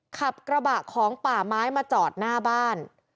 ขับกระบะของป่าไม้มาจอดหน้าบ้าน